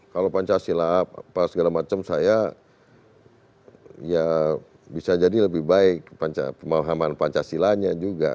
kalau pancasila apa segala macam saya ya bisa jadi lebih baik pemahaman pancasilanya juga